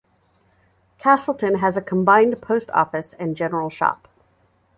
Castleton has a combined post office and general shop.